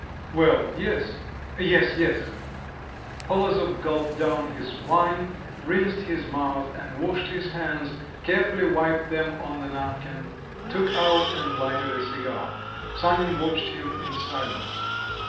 "Well, yes … yes, yes." Polozov gulped down his wine, rinsed his mouth, and washed his hands, carefully wiped them on the napkin, took out and lighted a cigar. Sanin watched him in silence.